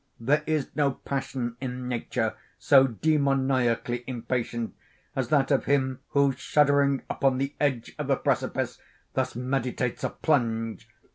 There is no passion in nature so demoniacally impatient, as that of him who, shuddering upon the edge of a precipice, thus meditates a plunge.